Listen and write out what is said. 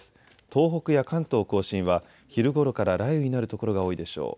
東北や関東甲信は昼ごろから雷雨になるところが多いでしょう。